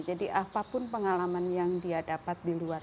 jadi apapun pengalaman yang dia dapat di luar